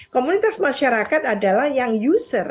komunitas masyarakat adalah yang user